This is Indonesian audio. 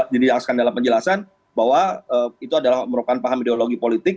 dijelaskan dalam penjelasan bahwa itu adalah merupakan paham ideologi politik